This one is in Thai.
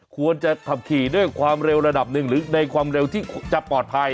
ควรจะขับขี่ด้วยความเร็วระดับหนึ่งหรือในความเร็วที่จะปลอดภัย